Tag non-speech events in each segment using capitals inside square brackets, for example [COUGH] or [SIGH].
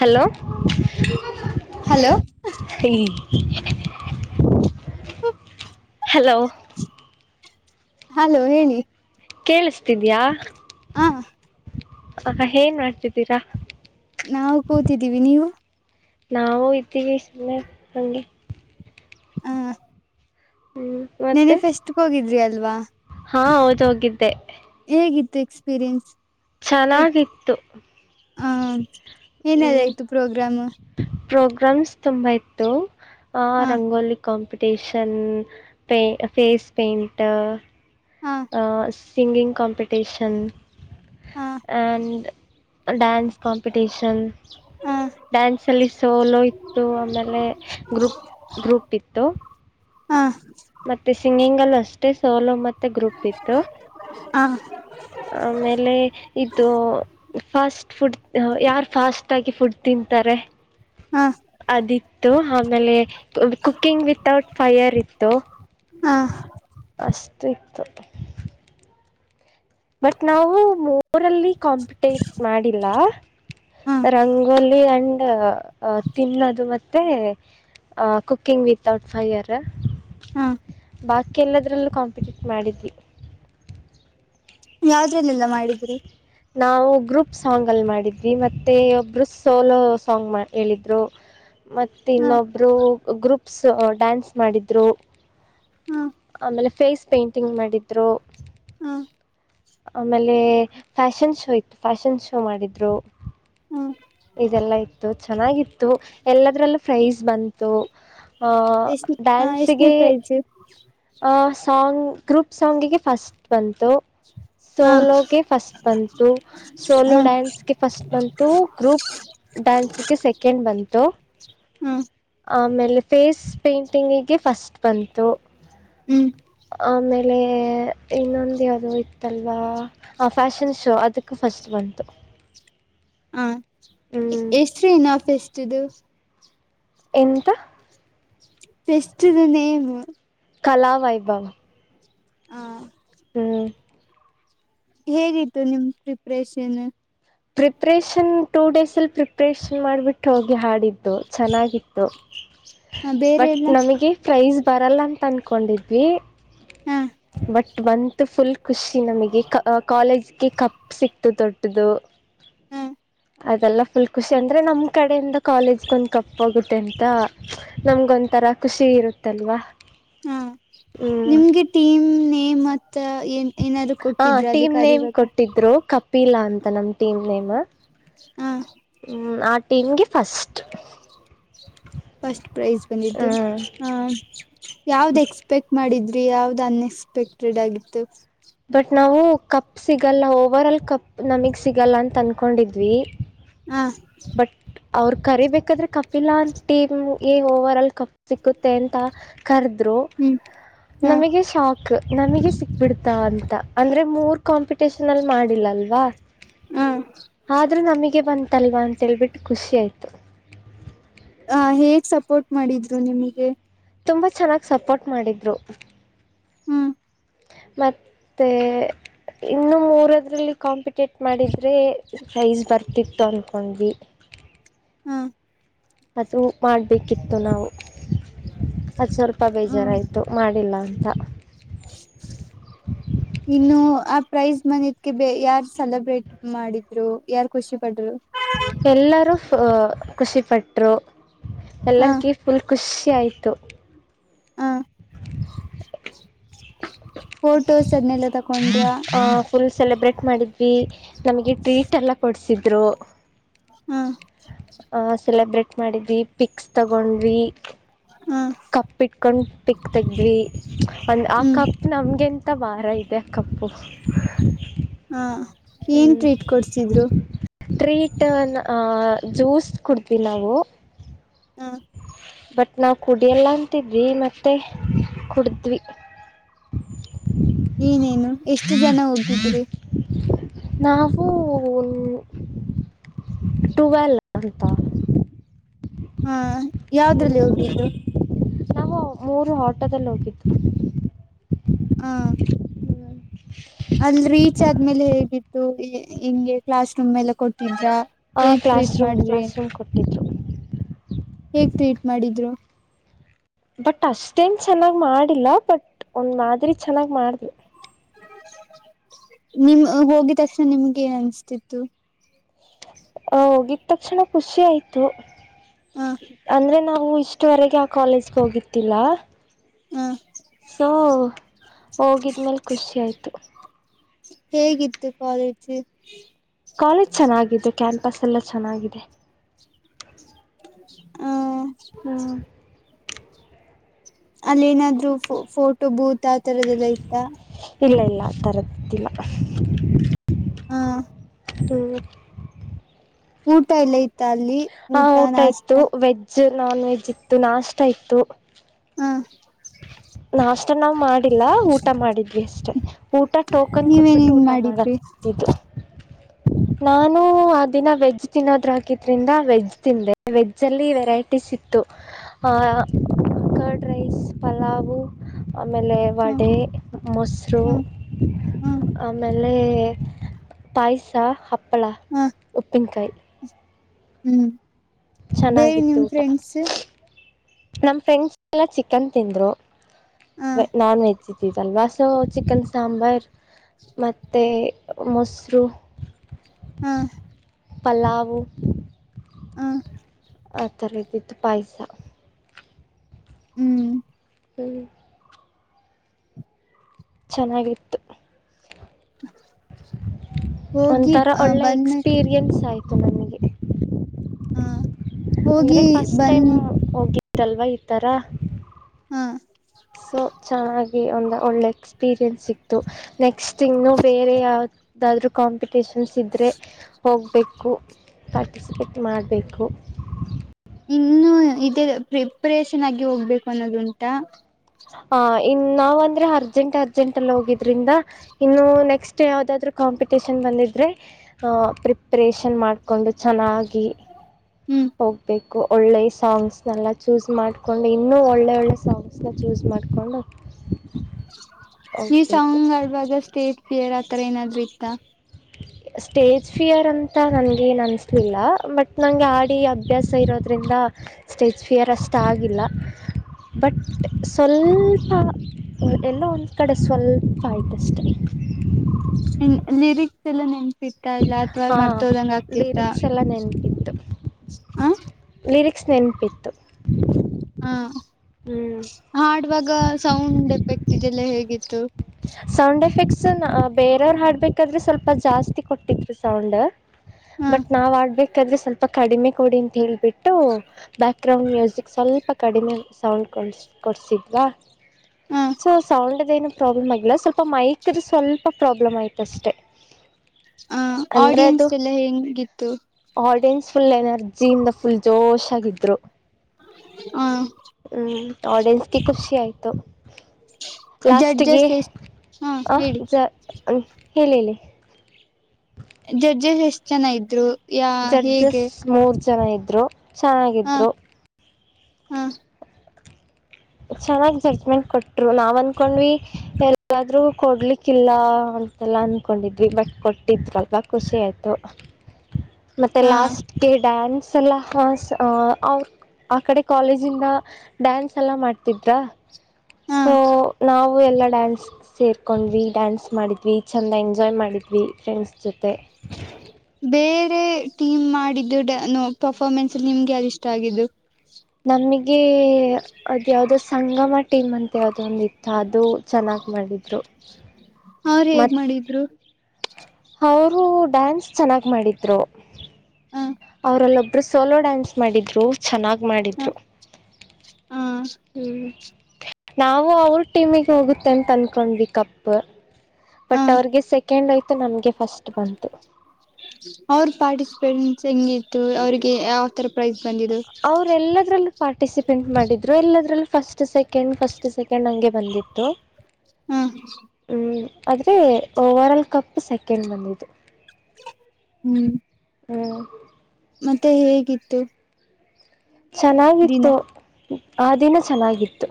Hello hello ಟೈ hello hello ಹೇಳಿ ಕೇಳಿಸ್ತಿದ್ಯಾ ಹ ಸ್ವಲ್ಪ ಏನ್ ನೊಡ್ತಿದ್ದೀರಾ ನಾವು ಕೂತಿದ್ದೀವಿ ನೀವು ನಾವು ಇರುತ್ತಿವಿ ಸುಮ್ಮನೆ ಹಿಂಗೆ ಹ ಹ್ಮ್ ನೆನ್ನೆ ಮತ್ತೆ ಪಸ್ಟ್ಕ್ ಹೋಗಿದ್ರಿ ಅಲ್ವಾ. ಹಾ ಹೌದು ಹೋಗಿದ್ದೆ. ಹೇಗಿತ್ತು ಎಕ್ಸ್ಪೀರಿಯೆನ್ಸ್ ಚೆನ್ನಾಗಿತ್ತು ಹ ಹ್ಮ್ ಏನದಾಯ್ತು ಪ್ರೋಗ್ರಾಮ್. ಪ್ರೋಗ್ರಾಮ್ಸ್ ತುಂಬಾ ಇತ್ತು ಆ ಹಾ ರಂಗೋಲಿ ಕಾಂಪಿಟ ಟೇಷನ್ ಪ ಫೇಸ್ ಪೇಂಟರ್ ಹಾ ಸಿಂಗಿಂಗ್ ಕಾಂಪಿಟೇಷನ್ ಹಾ ಅಂಡ್ ಡ್ಯಾನ್ಸ್ ಕಾಂಪಿಟೇಶನ್ ಹಾ ಡ್ಯಾನ್ಸಲ್ಲಿ ಸೋಲೋ ಇತ್ತು ಆಮೇಲೆ ಗ್ರೂಪ್ ಗ್ರೂಪ್ ಇತ್ತು. ಹಾ ಮತ್ತೆ ಸಿಂಗಿಂಗ್ ಅಲ್ಲಿ ಅಷ್ಟೇ ಸೋಲೋ ಮತ್ತೆ ಗ್ರೂಪ್ ಇತ್ತು. ಹಾ ಆಮೇಲೆ ಇದು ಫಸ್ಟ್ ಫುಡ್ ಯಾರು ಫಾಸ್ಟ್ ಆಗಿ ಫುಡ್ ತಿಂತಾರೆ ಹಾ ಅದಿತ್ತು ಆಮೇಲೆ ಕುಕ್ಕಿಂಗ್ ವಿತೌಟ್ ಫೈಯರ್ ಇತ್ತು ಹಾ ಅಷ್ಟ್ ಇತ್ತು ಬಟ್ ನಾವು ಮೋರಲ್ಲಿ ಕಾಂಪಿಟೇಟ್ ಮಾಡಿಲ್ಲ ಹಾ ರಂಗೋಲಿ ಅಂಡ್ ತಿನ್ನೋದು ಮತ್ ಮತ್ತೆ ಕುಕಿಂಗ್ ವಿತಟ್ ಫಯರ್ ಹಾ ಬಾತ್ ಕೆಲ್ಲದ್ರಲ್ಲೂ ಕಾಂಪಿಟೀಟ್ ಮಾಡಿದ್ವಿ ಯಾವ್ದ್ರಲ್ಲೆಲ್ಲಾ ಮಾಡಿದ್ರಿ ನಾವು ಗ್ರೂಪ್ ಸಾಂಗ್ ಅಲ್ಲಿ ಮಾಡಿದ್ವಿ ಮತ್ತೆ ಒಬ್ರು ಸೋಲೋ ಸಾಂಗ್ ಹೇಳಿದ್ರು [INAUDIBLE] ಮತ್ತೆ ಹಾ ಇನ್ನೊಬ್ರು ಗ್ರೂಪ್ಸ್ ಡ್ಯಾನ್ಸ್ ಮಾಡಿದ್ರು ಹಾ ಆಮೇಲೆ ಫೇಸ್ ಪೇಂಟಿಂಗ್ ಮಾಡಿದ್ರು ಹ್ಮ್ ಆಮೇಲೆ ಫ್ಯಾಶನ್ ಶೋ ಇತ್ತು ಫ್ಯಾಶನ್ ಶೋ ಮಾಡಿದ್ರು ಹಾ ಇದೆಲ್ಲ ಇತ್ತು ಚೆನ್ನಾಗಿತ್ತು ಎಲ್ಲದ್ರಲ್ಲೂ ಫ್ರೈಸ್ ಬಂತು ಅಂ ಎಷ್ಟ ಎಷ್ಟನೇ ಡ್ಯಾನ್ಸಗೆ ಪ್ರೈಜ್ ಅ ಸಾಂಗ್ ಗ್ರೂಪ್ ಸಾಂಗಿಗೆ ಫಸ್ಟ್ ಬಂತು ಹಾ ಸೋಲೋಗೆ ಫಸ್ಟ್ ಬಂತು ಹಾ ಸೋಲೋ ಡ್ಯಾನ್ಸ್ಗೆ ಫಸ್ಟ್ ಬಂತು ಗ್ರೂಪ್ ಡಾನ್ಸ್ಗೆ ಸೆಕೆಂಡ್ ಬಂತು ಹಾ ಆಮೇಲೆ ಫೇಸ್ ಪೇಂಟಿಂಗಿಗೆ ಫಸ್ಟ್ ಬಂತು ಹ್ಮ್. ಆಮೇಲೆ ಇನ್ನೊಂದ ಯಾವ್ದೊ ಇತ್ತಲ್ವಾ ಆ ಫ್ಯಾಷನ್ ಶೋ ಅದಕ್ಕ ಫಸ್ಟ್ ಬಂತು ಹಾಂ ಹ್ಮ್ ಎಷ್ಟ್ ದಿನ ಫೆಸ್ಟ್ ಇದು ಎಂತ ಫೆಸ್ಟಿದು ನೇಮ್ ಕಲಾವೈಭವ. ಹಾಂ ಹ್ಮ್ ಹೇಗಿತ್ತು ನಿಮ್ಮ ಪ್ರಿಪ್ರೇಷನ್. ಪ್ರಿಪ್ರೇಷನ್ ಟೂ ಡೇಸ್ ಅಲ್ಲಿ ಪ್ರಿಪ್ರೇಷನ್ ಮಾಡ್ಬಿಟ್ಟು ಹೋಗಿ ಹಾಡಿದು. ತ್ತು ಚೆನ್ನಾಗಿತ್ತು ಬೇರೆ ಬಟ್ ಎಲ್ಲ ನಮಗೆ. ಪ್ರೈಸ್ ಬರಲ್ಲ ಅಂತ ಅನ್ಕೊಂಡಿದ್ವಿ ಹಾ ಬಟ್ ಬಂತ ಫುಲ್ ಖುಷಿ ನಮಗೆ ಕಾಲೇಜ್ಗೆ ಕಪ್ ಸಿಕ್ತು ದೊಡ್ಡದು ಹಾ ಅದೆಲ್ಲ ಫುಲ್ ಖುಷಿ ಅಂದ್ರೆ ನಮ್ ಕಡೆಯಿಂದ ಕಾಲೇಜ್ಗ ಒಂದ್ ಕಪ್ಪೋಗುತ್ತೆ ಅಂತ ನಮ್ಗ ಒಂಥರ ಖುಷಿ ಇರುತ್ತಲ್ವಾ. ಹಾ ಹ್ಮ್ ನಿಮ್ಗೆ ಟೀಮ್ ನೇಮ್ ಮತ್ ಏನ್ ಏನಾದ್ರು ಅಂ ಕೊಟ್ಟಿದ್ರ ಅಲ್ಲಿ ಟೀಮ್ ನೇಮ್ ಕರಿಬೇಕ ಕೊಟ್ಟಿದ್ರು ಕಪಿಲಾ ಅಂತ ನಮ್ ಟೀಮ್ ನೇಮ್ ಹ್ಮ್ ಹ್ಮ್ ಆ ಟೀಮ್ಗೆ ಫಸ್ಟ್ ಫಸ್ಟ್ ಪ್ರೈಜ್ ಬಂದಿದ್ದು ಹ್ಮ್ ಹಾ ಯಾವ್ದ್ ಎಕ್ಸ್ಪೆಕ್ಟ್ ಮಾಡಿದ್ರಿ ಯಾವ್ದ್ ಅನ್ಎಕ್ಸ್ಪೆಕ್ಟೆಡ್ ಆಗಿತ್ತು ಬಟ್ ನಾವು ಕಪ್ ಸಿಗಲ್ಲ ಓವರ್ ಆಲ್ ಕಪ್ ನಮಗ್ ಸಿಗಲ್ಲ ಅಂತ ಅನ್ಕೊಂಡಿದ್ವಿ ಹಾ ಅವ್ರ ಕರಿಬೇಕಾದ್ರೆ ಕಪಿಲಾ ಅ ಟೀಮ್ಗೆ ಓವರ್ ಆಲ್ ಕಪ್ ಸಿಕ್ಕುತ್ತೆ ಅಂತ ಕರ್ದ್ರು ಹ್ಮ್ ಹ ನಮಗೆ ಶಾಕ್ ನಮಗೆ ಸಿಕ್ಬಿಡ್ತ ಅಂತ ಅಂದ್ರೆ ಮೂರ್ ಕಾಂಪಿಟೇಷನ್ ಅಲ್ಲಿ ಮಾಡಿಲ್ಲ ಅಲ್ವಾ ಹೂ ಆದ್ರೂ ನಮಗೆ ಬಂತಲ್ವಾ ಅಂತ ಹೇಳ್ಬಿಟ್ಟು ಖುಷಿ ಆಯ್ತು ಅ ಹೇಗ್ ಸಪೋರ್ಟ್ ಮಾಡಿದ್ರು ನಿಮಗೆ ತುಂಬಾ ಚೆನ್ನಾಗ್ ಸಪೋರ್ಟ್ ಮಾಡಿದ್ರು ಹೂ ಮತ್ತೆ ಇನ್ನು ಮೂರದ್ರಲ್ಲಿ ಕಾಂಪಿಟೇಟ್ ಮಾಡಿದ್ರೆ ಸೈಜ್ ಬರ್ತಿತ್ತು ಅನ್ಕೊಂಡ್ವಿ ಹ ಅದೇ ಮಾಡಬೇಕಿತ್ತು ನಾವು ಅದು ಸ್ವಲ್ಪ ಹ್ಮ್ ಬೇಜಾರಾಯಿತು ಮಾಡಿಲ್ಲ ಅಂತ ಇನ್ನು ಆ ಪ್ರೈಸ್್ ಮನದಗೆ ಯಾರ್ು ಸೆಲೆಬ್ರೇಟ್ ಮಾಡಿದ್ರು ಯಾರ್ ಖುಷಿ ಪಟ್ರು ಎಲ್ಲರೂ ಖುಷಿಪಟ್ಟರು ಹ ಎಲ್ಲರ್ಗ ಫುಲ್ ಖುಷಿಯ ಆಾಯಿತು ಹ ಫೋಟೋಸ್ ಅದನ್ನಲ್ಲ ತ ಆ ಫುಲ್ ಸೆಲೆಬ್ರೇಟ್ ಮಾಡಿದ್ವಿ ನಮಗೆ ಟ್ರೀಟ್ ಎಲ್ಲ ಕೊಡ್ಸಿದ್ರು ಹಾ ಸೆಲೆಬ್ರೇಟ್ ಮಾಡಿದ್ವಿ ಪಿಕ್ಸ್ ತಗೊಂಡ್ವಿ ಹ ಕಪ್ಪಿಟ್ಕೊಂಡು ಪಿಕ್ ತೆಗ್ವಿ ಒಂದು ಆ ಹ್ಮ್ ಕಪ್ ನಮಗೆಂತ ಭಾರ ಇದೆ ಆ ಕಪ್ಪು ಹಾ ಏನ್ ಟ್ರೀಟ್ ಕೊಡ್ಸಿದ್ರು ೀ ಟನ್ ಜ್ಯೂಸ್ ಕೊಡ್ತವಿ ನಾವು ಹ ಬಟ್ ನಾವು ಕುಡಿಯಲ್ಲ ಅಂತಿದ್ವಿ ಮತ್ತೆ ಕುಡಿದ್ವಿ ಏನೇನು ಎಷ್ಟು ಜನ ಹೋಗಿದ್ರಿ ನಾವು ಟುವಲ್ ಅಂತ ಹ ಯಾವದ್ರಲ್ಲಿ ಹೋಗಿದ್ರು ನಾವು ಮೂರು ಆಟೋದಲ್ಲಿ ಹೋಗಿದ್ದು ಹಾ ಅಲ್ ರೀಚ್ ಆದ್ಮೇಲೆ ಹೇಗಿತ್ತು ಹಿಂಗೆ ಕ್ಲಾಸ್ ರೂಮ್ ಮಲ್ಲ ಕೊಟ್ಟಿದ್ರ ಆ ಹೇಗ್ ಕ್ಲಾಸ್ ಟ್ರೀಟ್ ರೂಮ್ ಮಾಡಿದ್ರಿ ಕ್ಲಾಸ್ ರೂಮ್ ಕೊಟ್ಟಿದ್ರು ಹೇಗ್ ಟ್ರೀಟ್ ಮಾಡಿದ್ರು ಬಟ್ ಅಷ್ಟೇನ್ ಚೆನ್ನಾಗ್ ಮಾಡಿಲ್ಲ ಬಟ್ ಒಂದ್ ಮಾದ್ರ ಚೆನ್ನಾಗ್ ಮಾಡಿದ್ವಿ ನಿಮ ಹೋಗಿದ ತಕ್ಷಣ ನಿಮ್ಗೆ ಏನ್ ಅನ್ಿಸ್ತಿತ್ತು ಅ ಹೋಗಿದ ತಕ್ಷಣ ಖುಷಿ ಆಯ್ತು ಹ ಅಂದ್ರೆ ನಾವು ಇಷ್ಟ ಅಷ್ಟವರೆಗೆ ಆ ಕಾಲೇಜ್ಗೆ ಹೋಗಿರ್ತಿಲ್ಲ ಹ ಸೊ ಹೋಗಿದ್ಮೇಲೆ ಖುಷಿಯ ಆಾಯಿತು ಹೇಗಿತ್ತು ಕಾಲೇಜ ಕಾಲೇಜ್ ಚೆನ್ನಾಗಿದೆ ಕ್ಯಾಂಪಸ್ ಎಲ್ಲ ಚೆನ್ನಾಗಿದೆ ಹೂ ಹಾ ಅಲ್ಲಿ ಏನಾದ್ರು ಫೋಟೋ ಬೂತ್ ಆ ತರದೆಲ್ಲ ಇತ್ತ ಇಲ್ಲ ಇಲ್ಲ ಇಡಿದಿಲ್ಲ ಹಾ ಹೂ ಊಟ ಎಲ್ಲ ಇತ ಅಲ್ಲಿ ಹ ಊಟ ಇತ್ತು ವೆಜ್ ನಾನ್ ವೆಜ್ ಇತ್ತು ನಾಷ್ಟ ಇತ್ತು ಹಾ ನಾಷ್ಟ ನಾವ್ ಮಾಡಿಲ್ಲ ಊಟ ಮಾಡಿದ್ವಿ ಅಷ್ಟೇ ಊಟ ಟೋಕನ್ ಕೊಟ್ಬಿಟ್ಟು ನೀವೇನೇನ್ ಊಟ ಮಾಡಿದ್ರಿ ಮಾಡಿದ್ದು ನಾನು ಆ ದಿನ ವೆಜ್ ತಿನ್ನೋದ್ ಹಾಕಿದ್ರಿಂದ ವೆಜ್ ತಿಂದೆ ವಜ್ ಜಲ್ಲಿ ವೆರೈಟೀಸ್ ಇತ್ತು ಪ ಕರ್ಡ್ ರೈಸ್ ಪಲಾವು್ ಆಮೇಲೆ ಹ ವಡೆ ಮೊಸರು ಹ್ಮ್ ಹ್ಮ್ ಆಮೇಲೆ ಅಲೆೇ ಪಾಯಸ ಹಪ್ಪಳ ಉಪ್ಪಿನಕಾಯಿ ಹೂ ಬೇರೆ ನಿಮ್ ಫ್ರೆಂಡ್ಸ್ ನಮ ಫ್ರೆಂಡ್ಸ್ ಎಲ್ಲ ಚಿಕನ್ ತಿಂದ್ರು ಹ ನಾನ್ ವೆಜ್ ಇದ್ದಿದಲ್ವಾ ಸೊ ಚಿಕನ್ ಸಾಂಬಾರ್ ಮತ್ತು ಮೊಸರು ಹ ಪಲ್ಲವ್ ಹ ಆ ಥರ್ದಿತ್ತು ಪಾಯಸ ಹೂ ಹೂ ಚೆನ್ನಾಗಿತ್ತು ಹೋಗಿ ಒಂಥರ ಒಳ್ಳೆ ಬಂದ್ಮೇ ಎಕ್ಸ್ಪೀರಿಯೆನ್ಸ್ ಆಯತು ನಮಗೆ ಹ ಅಂದ್ರೆ ಹೋಗಿ ಫಸ್ಟ್ ಟೈಮ್ ಬಂದ್ ಹೋಗಿದಲ್ವಾ ಈ ತರ ಹ ಸೊ ಚೆನ್ನಾಗಿ ಒಂದು ಒಳ್ಳೆ ಎಕ್ಸ್ಪೀರಿಯನ್ಸ್ ಇತ್ತು ನೆಕ್ಸ್ಟ್ ತಿಂಗ್ನು ಬೇರೆ ಯಾವ ಇದಾದ್ರು ಕಾಂಪಿಟಷನ್ಸ್ ಇದ್ರೆ ಹೋಗ್ಬೇಕು ಪಾರ್ಟಿಸಿಪೇಟ್ ಮಾಡಬೇಕು ಇನ್ನು ಇದೇ ಪ್ರಿಪ್ರೇಷನ್ ಆಗಿ ಹೋಗ್ಬೇಕು ಅನ್ನೋದು ಉಂಟಾ ಹ ಇನ್ ನಾವ್ ಅಂದ್ರೆ ಅರ್ಜೆಂಟ್ ಅರ್ಜೆಂಟ್ ಅಲ್ಲಿ ಹೋಗಿದ್ರಿಂದ ಇನ್ನು ನೆಕ್ಸ್ಟ್ ಯಾವ್ದಾದ್ರು ಕಾಂಪಿಟೇಷನ್ ಬಂದಿದ್ರೆ ಅಹ ಪ್ರಿಪ್ರೇಷನ್ ಮಾಡ್ತ ಕೊಂಡು ಚೆನ್ನಾಗಿ ಹೂ ಹೋಗಬೇಕು ಒಳ್ಳೆಯ ಸಾಂಗ್ಸ್ನೆಲ್ಲ ಚೂಸ್ ಮಾಡಿಕೊಂಡು ಇನ್ನೂ ಒಳ್ಳೆ ಒಳ್ಳೆ ಸಾಂಗ್ಸ್ನ್ನ ಚೂಸ್ ಮಾಡಿಕೊಂಡು ಈ ಹೋಗ್ಬೇಕು ಸಾಂಗ್ ಆಡುವಾಗ ಸ್ಟೇಜ್ ಪಲಿಯರ್ ಆತರ ಏನಾದ್ೂ ಇತ್ತ ಸ್ಟೇಜ್ ಫಿಯರ್ ಅಂತ ನನಗೇಏನು ಅನಿಸಲಿಲ್ಲ ಬಟ್ ನಂಗೆ ಆಡಿ ಅದು ಅಭ್ಯಾಸ ಇರೋದರಿಿಂದ ಸ್ಟೇಜ್ ಫಿಯರ್ ಅಷ್ಟು ಆಗಿಲ್ಲ ಬಟ್ ಸ್ವಲ್ಪ ಎಲ್ಲೋ ಒಂದು ಕಡೆ ಸ್ವಲ್ಪ ಆಯತುಷ್ಟೇ ಇ ಲಿರಿಕ್ಸ್ ಎಲ್ಲ ನೆನ್ಪಿತ್ತ ಇಲ್ಲ ಅಥವಾ ಹಾಂ ಮರ್ತೋದಂಗ ಆಕ್ಕಿತ್ತ ಲಿರಿಕ್ಸ್ ಎಲ್ಲ ನೆನಪಿತ್ತು ಹ ಲಿರಿಕ್ಸ್ ನೆನಪಿತ್ತು ಹ ಹೂ ಹಾಡುವಾಗ ಸೌಂಡ್ ಎಫೆಕ್ಟ್ ಇದೆಲ್ಲ ಹೇಗಿತ್ತು ಸೌಂಡ್ ಎಫೆಕ್ಟ್ಸ್ ಬೇರೆಯವರು ಹಾಡ್ಬೇಕಾದ್ರೆ ಸ್ವಲ್ಪ ಜಾಸ್ತಿ ಕೊಟ್ಟಿದರಿ ಸೌಂಡ್ ಹ ಬಟ್ ನಾವ್ ಆಡ್ಬೇಕಾದ್ರೆ ಸ್ವಲ್ಪ ಕಡಿಮೆ ಕೊಡಿ ಅಂತ ಹೇಳ್ಬಿಟ್ಟು ಬ್ಯಾಕ್ ಗ್ರೌಂಡ್ ಮ್ಯೂಸಿಕ್ ಸ್ವಲ್ಪ ಕಡಿಮೆ ಸೌಂಡ್ ಕೊ ಕೊಡ್ಸಿದ್ವಾ ಹ ಸೊ ಸೌಂಡದ ಏನು ಪ್ರಾಬ್ಲಮ್ ಆಗಿಲ್ಲ ಸ್ವಲ್ಪ ಮೈಕ್ ಸ್ವಲ್ಪ ಪ್ರಾಬ್ಲಮ್ ಆಯ್ತ ಅಷ್ಟೆ ಆ ಅಂದ್ರೆ ಅದು ಆಡಿಯನ್ಸ್ ಎಲ್ಲ ಹೆಂಗಿತ್ತು ಆಡಿಯನ್ಸ್ ಫುಲ್ ಎನರ್ಜಿಯಿಂದ ಫುಲ್ ಜೋಶ್ ಆಗಿದ್ರು ಹ ಹ ಆಡಿಯನ್ಸ್ಗೆ ಖುಷಿ ಆಯ್ತು ಲಾಸ್ಟ್ಗೆ ಜಡ್ಜಸ್ ಎಷ್ಟ ಹಾ ಆ ಹೇಳಿ ಜ ಹೇಳಿ ಹೇಳಿ ಹ ಜಡ್ಜಸ್ ಎಷ್ಟ್ ಜನ ಇದ್ರು ಯಾ ಹೇಗೆ ಜಡ್ಜಸ್ ಮೂರ್ ಜನ ಇದ್ರು ಹ ಚೆನ್ನಾಗಿದ್ರು ಹ ಚೆನ್ನಾಗ್ ಜಜ್ಮೆಂಟ್ ಕೊಟ್ರು ನಾವ್ ಅಂದಕೊಂಡ್ವಿ ಎಲ್ಲಾದ್ರೂ ಕೊಡ್ಲಿಕ್ಕಿಲ್ಲ ಲ್ಲ ಅಂದ್ಕೊಂಡಿದ್ವಿ ಬಟ್ ಕೊಟ್ಟಿದ್ಲ್ವಾ ಖುಷಿ ಆಯ್ತು ಹ ಮತ್ತೆ ಲಾಸ್ಟ್ಗೆ ಡ್ಯಾನ್ಸ್ ಸಲ ಹ ಅವ ಆ ಕಡೆ ಕಾಲೇಜಿಂದ ಡ್ಯಾನ್ಸ್ ಎಲ್ಲ ಮಾಡ್ತಿದ್ರಾ ಹ ಸೊ ನಾವು ಎಲ್ಲ ಡ್ಯಾನ್ಸ್ ಸೇರ್ಕೊಂಡ್ವಿ ಡ್ಯಾನ್ಸ್ ಮಾಡಿದ್ವಿ ಚೆಂದ ಎಂಜಾಯ್ ಮಾಡಿದ್ವಿ ಫ್ರೆಂಡ್ಸ್ ಜೊತೆ ಬೇರೆ ಟೀಮ್ ಮಾಡಿದ್ದು ಡ ಪರ್ಫ್ಮೆನ್ಸ್ ನಿಮ್ಗೆ ಅದ ಇಷ್ಟ ಆಗಿದ್ದು ನಮಗೆ ಅದ ಯಾವ್ದೋ ಸಂಗಮಟ್ಟ ಟೀಮ್ ಅಂತ ಯಾವ್ದ ಒಂದ ಇತ್ತು ಅದು ಚೆನ್ನಾಗ್ ಮಾಡ್ವಿ ಅವ್ರ ಹೇಗ್ ಮಾಡಿದ್ರು ಅವ್ರು ಡ್ಯಾನ್ಸ್ ಚೆನ್ನಾಗಿ ಮಾಡಿದ್ದರು ಹಾ ಅವ್ರಲ್ಲೊಬ್ರು ಸೋಲೋ ಡಾನ್ಸ್ ಮಾಡಿದ್ರು ಚೆನ್ನಾಗಿ್ ಹ ಮಾಡಿದ್ರು ಹ ಹೂ ನಾವು ಅವ್ರ ಟೀಮಿಗೆ ಹೋಗುತ್ತೆ ಅಂತ ಅನ್ಕೊಂಡ್ವಿ ಕಪ್ ಹ ಬಟ್ ಅವ್ರಗೆ ಸೆಕೆಂಡ್ ಆಯ್ತು ನಮ್ಗೆ ಫಸ್ಟ್ ಬಂತು ಅವ್ರ ಪಾರ್ಟಿಸಿಪೆಂಸ್ ಹೆಂಗಿತ್ತು ಅವ್ರಿಗೆ ಯಾವ ತರ ಪ್ರೈಸ್ ಬಂದಿದ್ದು ಎಲ್ಲದರಲ್ಲೂ ಪಾರ್ಟಿಸಿಪೇಟ್ ಮಾಡಿದ್ರು ಎಲ್ಲದರಲ್ಲೂ ಫಸ್ಟ್ ಸೆಕೆಂಡ್ ಫಸ್ಟ್ ಸೆಕೆಂಡ್ ಕೆ್ಣಂಗೆ ಬಂದಿತ್ತು ಹ್ ಹೂ ಆದ್ರೆ ಓವರ್ಲ್ ಕಪ್ ಸೆಕೆಂಡ್ ಬಂದಿದ್ದು ಹೂ ಹೂ ಮತ್ತೆ ಹೇಗಿತ್ತು ದಿನ ಚೆನ್ನಾಗಿತ್ತು ಆ ದಿನ ಚೆನ್ನಾಗಿತ್ತು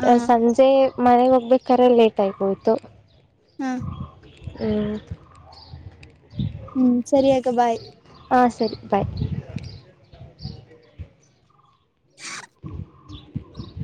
ಹ ಸಂಜೆ ಮನೆ ಹೋಗ್ಬೇಕ್ರೆ ಲೇಟ್ ಆಗಬೋಯ್ತು ಹ ಹ ಹೂ ಸರಿ ಅಕ್ಕ ಬಾಯ್ ಹಾ ಸರಿ ಬಾಯ್ [UNINTELLIGIBLE]